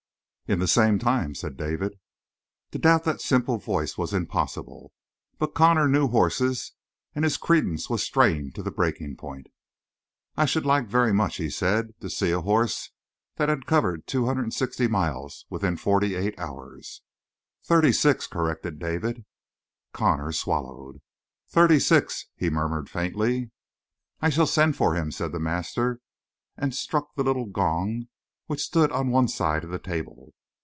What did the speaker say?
"In the same time," said David. To doubt that simple voice was impossible. But Connor knew horses, and his credence was strained to the breaking point. "I should like very much," he said, "to see a horse that had covered two hundred and sixty miles within forty eight hours." "Thirty six," corrected David. Connor swallowed. "Thirty six," he murmured faintly. "I shall send for him," said the master, and struck the little gong which stood on one side of the table.